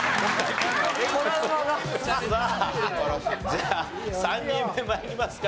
じゃあ３人目参りますかね。